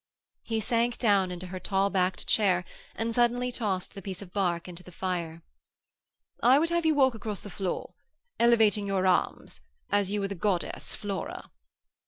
He sank down into her tall backed chair and suddenly tossed the piece of bark into the fire. 'I would have you walk across the floor, elevating your arms as you were the goddess Flora.'